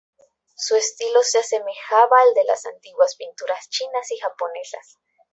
Su estilo se asemejaba al de las antiguas pinturas chinas y japonesas.